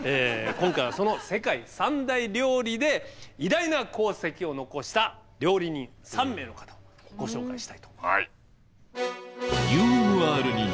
今回はその世界三大料理で偉大な功績を残した料理人３名の方をご紹介したいと。